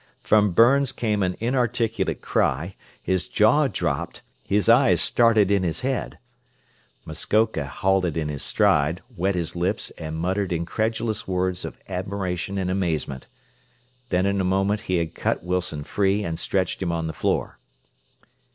From Burns came an inarticulate cry, his jaw dropped, his eyes started in his head. Muskoka halted in his stride, wet his lips and muttered incredulous words of admiration and amazement. Then in a moment he had cut Wilson free, and stretched him on the floor.